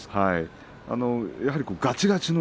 やはり、がちがちの